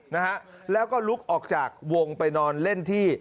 นะฮะแล้วก็ลุกออกจากวงไปนอนเล่นที่